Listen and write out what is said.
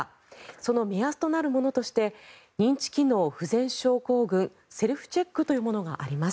その目安となるものとして認知機能不全症候群セルフチェックというものがあります。